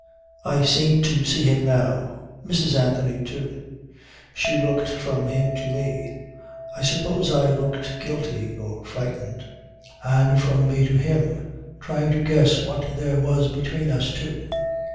I seem to see him now. Mrs. Anthony too. She looked from him to me I suppose I looked guilty or frightened and from me to him, trying to guess what there was between us two.